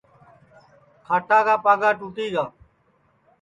کھاٹا کا پاگا ٹُوٹی گا